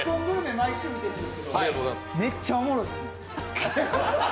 毎週見てるんですけど、めっちゃおもろいです。